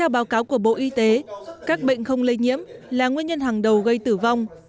báo cáo của bộ y tế các bệnh không lây nhiễm là nguyên nhân hàng đầu gây tử vong